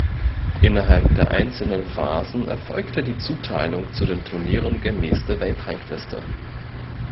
Innerhalb der einzelnen Phasen erfolgte die Zuteilung zu den Turnieren gemäß der Weltrangliste.